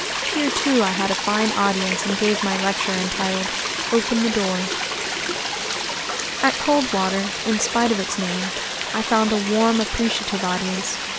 Here, too, I had a fine audience and gave my lecture entitled "Open the Door." At Coldwater, in spite of its name, I found a warm, appreciative audience.